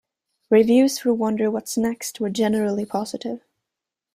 Reviews for "Wonder What's Next" were generally positive.